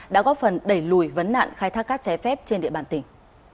đã góp phần đẩy lùi vấn nạn khai thác cát trái phép trên địa bàn tỉnh